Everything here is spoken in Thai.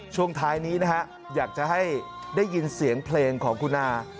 ช่วงท้ายนี้นะฮะอยากจะให้ได้ยินเสียงเพลงของคุณอา